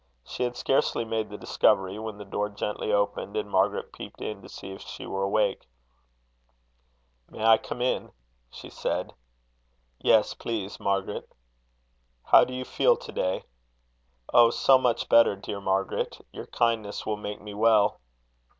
She had scarcely made the discovery, when the door gently opened, and Margaret peeped in to see if she were awake. "May I come in?" she said. "Yes, please, Margaret." "How do you feel to day?" "Oh, so much better, dear Margaret! Your kindness will make me well."